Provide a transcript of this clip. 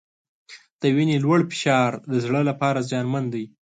د وینې لوړ فشار د زړه لپاره زیانمن دی.